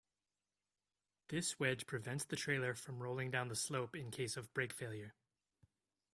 This wedge prevents the trailer from rolling down the slope in case of brake failure.